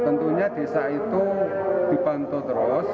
tentunya desa itu dipantau terus